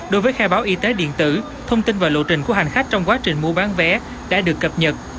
đối với khai báo y tế điện tử thông tin và lộ trình của hành khách trong quá trình mua bán vé đã được cập nhật